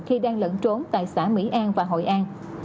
khi đang lẫn trốn tại xã mỹ an và hội an